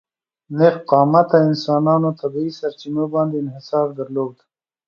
نېغ قامته انسانانو طبیعي سرچینو باندې انحصار درلود.